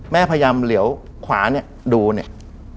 พยายามเหลียวขวาเนี่ยดูเนี่ย